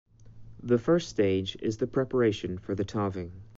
The first stage is the preparation for tawing.